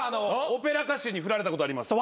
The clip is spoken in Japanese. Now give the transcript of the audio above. オペラ歌手に振られたことあります。